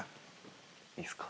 いいすか？